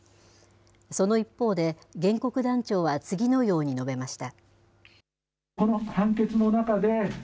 その一方で、原告団長は次のように述べました。